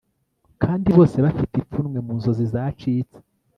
Kandi bose bafite ipfunwe mu nzozi zacitse